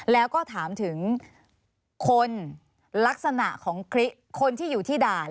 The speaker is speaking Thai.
แล้วก็ถามถึงคนลักษณะของคลิปคนที่อยู่ที่ด่าน